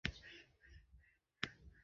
তিনি জীবনে আরও ভাল কাজ করায় বিশ্বাসী ছিলেন।